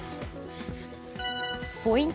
ポイント